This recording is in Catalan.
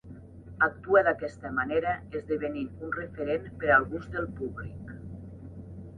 Actua d'aquesta manera esdevenint un referent per al gust del públic.